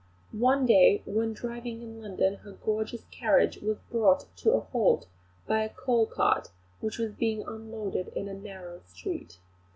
One day when driving in London her gorgeous carriage was brought to a halt by a coal cart which was being unloaded in a narrow street.